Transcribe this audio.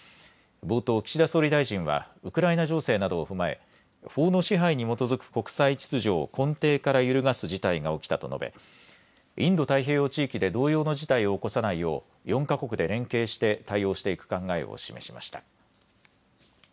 冒頭、岸田総理大臣はウクライナ情勢などを踏まえ法の支配に基づく国際秩序を根底から揺るがす事態が起きたと述べインド太平洋地域で同様の事態を起こさないよう４か国で連携して対応していく考えを示しました。